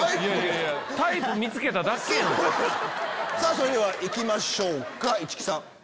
それでは行きましょうか市來さん。